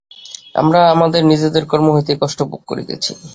আমরা আমাদের নিজেদের কর্ম হইতেই কষ্ট ভোগ করিতেছি।